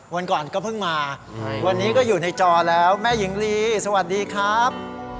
วันก่อนก็เพิ่งมาวันนี้ก็อยู่ในจอแล้วแม่หญิงลีสวัสดีครับ